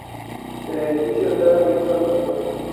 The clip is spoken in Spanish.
El edificio está abierto al público.